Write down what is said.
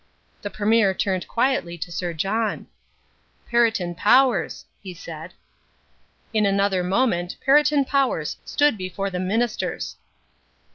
The Premier turned quietly to Sir John. "Perriton Powers," he said. In another moment Perriton Powers stood before the Ministers.